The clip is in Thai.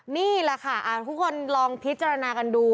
นี่แหละค่ะทุกคนลองพิจารณากันดู